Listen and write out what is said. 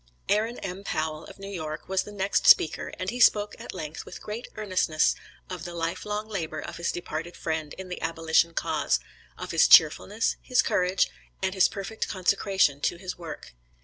Aaron M. Powell, of New York, was the next speaker, and he spoke at length with great earnestness of the life long labor of his departed friend in the abolition cause, of his cheerfulness, his courage, and his perfect consecration to his work.